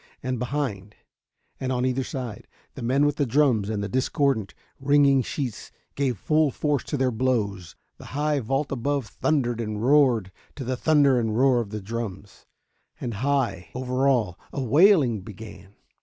And behind, and on either side, the men with the drums and the discordant, ringing sheets gave full force to their blows. The high vault above thundered and roared to the thunder and roar of the drums. And, high over all, a wailing began.